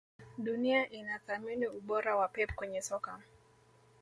Dunia inathamini ubora wa Pep kwenye soka